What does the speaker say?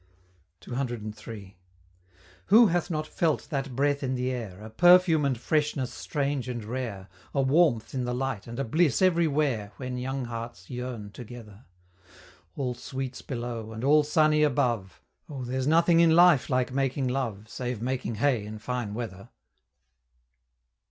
CCIII. Who hath not felt that breath in the air, A perfume and freshness strange and rare, A warmth in the light, and a bliss everywhere, When young hearts yearn together? All sweets below, and all sunny above, Oh! there's nothing in life like making love, Save making hay in fine weather!